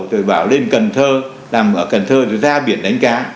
rồi bảo lên cần thơ làm ở cần thơ rồi ra biển đánh cá